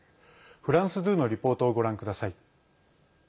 フランス２のリポートをご覧ください。